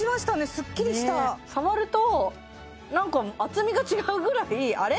スッキリした触るとなんか厚みが違うぐらいあれ？